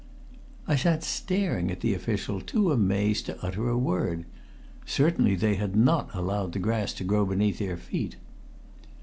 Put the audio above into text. I sat staring at the official, too amazed to utter a word. Certainly they had not allowed the grass to grow beneath their feet.